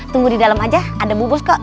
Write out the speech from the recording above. tunggu di dalam aja ada bu bos kok